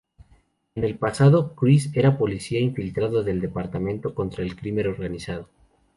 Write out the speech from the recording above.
En el pasado, Chris era policía infiltrado del departamento contra el crimen organizado.